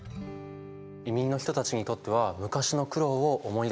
移民の人たちにとっては昔の苦労を思い出す味なんだね。